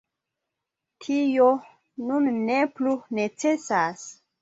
Tio nun ne plu necesas.